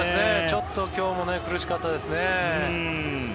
ちょっと今日も苦しかったですね。